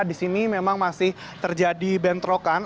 di sini memang masih terjadi bentrokan